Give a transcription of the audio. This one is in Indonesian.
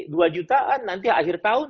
dua jutaan nanti akhir tahun